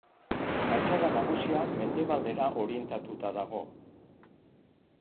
Fatxada nagusia mendebaldera orientatuta dago.